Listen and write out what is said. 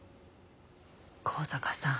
向坂さん。